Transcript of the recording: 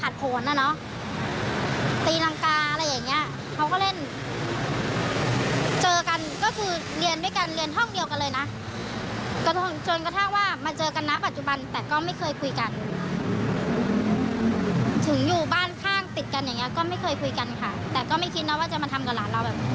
ติดกันอย่างเงี้ยก็ไม่เคยคุยกันค่ะแต่ก็ไม่คิดนะว่าจะมาทำกับหลานเราแบบ